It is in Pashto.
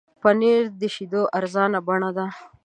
پنېر د شیدو ارزانه بڼه ده.